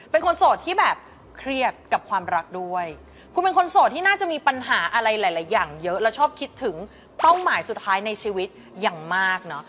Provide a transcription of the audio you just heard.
เป็นคนโสดที่แบบเครียดกับความรักด้วยคุณเป็นคนโสดที่น่าจะมีปัญหาอะไรหลายอย่างเยอะและชอบคิดถึงเป้าหมายสุดท้ายในชีวิตอย่างมากเนอะ